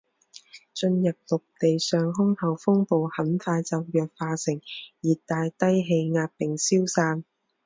进入陆地上空后风暴很快就弱化成热带低气压并消散。